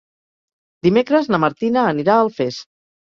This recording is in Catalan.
Dimecres na Martina anirà a Alfés.